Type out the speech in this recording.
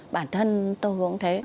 bản thân tôi cũng thế